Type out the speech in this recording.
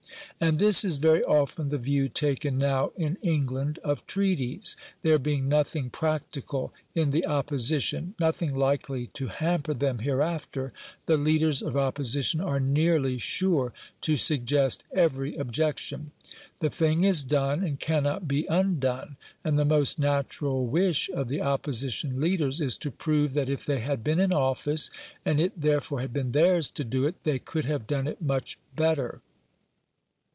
And this is very often the view taken now in England of treaties. There being nothing practical in the Opposition nothing likely to hamper them hereafter the leaders of Opposition are nearly sure to suggest every objection. The thing is done and cannot be undone, and the most natural wish of the Opposition leaders is to prove that if they had been in office, and it therefore had been theirs to do it, they could have done it much better.